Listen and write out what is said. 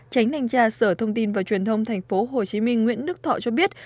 tránh thanh tra sở thông tin và truyền thông tp hcm nguyễn đức thọ cho biết